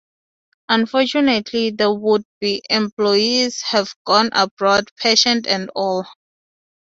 Unfortunately the would-be employers have gone abroad, patient and all.